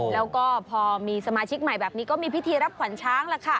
แล้วก็พอมีสมาชิกใหม่แบบนี้ก็มีพิธีรับขวัญช้างล่ะค่ะ